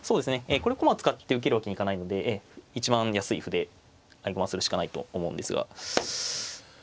これは駒を使って受けるわけにはいかないので一番安い歩で合駒するしかないと思うんですが。